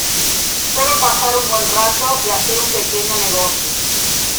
Solo pasar un buen rato y hacer un pequeño negocio.